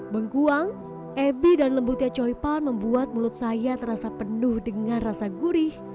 mengkuang ebi dan lembutnya choy pan membuat mulut saya terasa penuh dengan rasa gurih